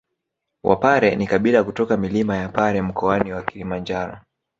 Wapare ni kabila kutoka milima ya Pare Mkoani wa Kilimanjaro